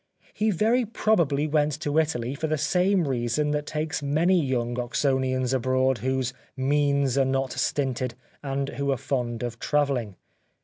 He very probably went to Italy for the same reason that takes many young Oxonians abroad, whose means are not stinted, and who are fond of travelling.